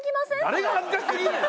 誰が恥ずかしすぎんねん！